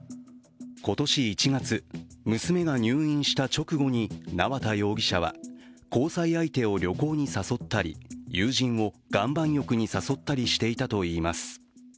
今年１月、娘が入院した直後に縄田容疑者は交際相手を旅行に誘ったり友人を岩盤浴に誘ったりしていたといいます。